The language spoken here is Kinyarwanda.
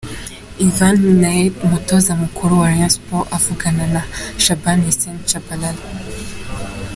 Ivan Minaert Umutoza mukuru wa Rayon Sports avugana na Shaban Hussein Tchabalala.